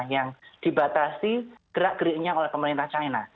yang dibatasi gerak geriknya oleh pemerintah china